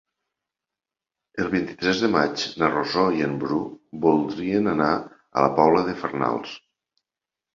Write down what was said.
El vint-i-tres de maig na Rosó i en Bru voldrien anar a la Pobla de Farnals.